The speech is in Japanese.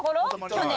去年。